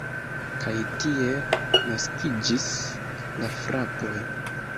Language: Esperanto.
Kaj tiel naskiĝis la frapoj.